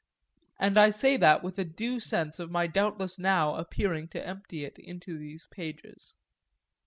And I say that with a due sense of my doubtless now appearing to empty it into these pages.